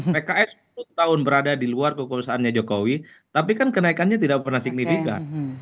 pks sepuluh tahun berada di luar kekuasaannya jokowi tapi kan kenaikannya tidak pernah signifikan